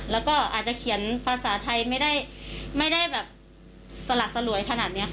แล้วก็อาจจะเขียนภาษาไทยไม่ได้แบบสลัดสลวยขนาดนี้ค่ะ